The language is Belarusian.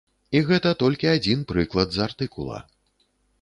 І гэта толькі адзін прыклад з артыкула.